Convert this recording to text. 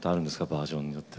バージョンによって。